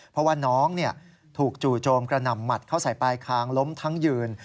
เพราะว่าน้องถูกจู่โจมกระหน่ำหมัดเข้าใส่ปลายคางล้มทั้งยืน